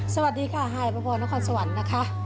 สวัสดีค่ะหายประพรนครสวรรค์นะคะ